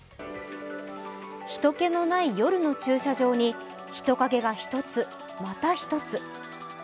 人気のない夜の駐車場に人影が一つ、また一つ。